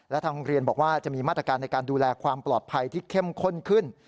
และทางโรงเรียนบอกว่าจะมีมาตรการในการดูแลความปลอดภัยที่เข้มข้นขึ้น